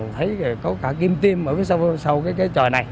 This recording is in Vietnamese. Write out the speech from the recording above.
thấy có cả kim tim ở sau cái trò này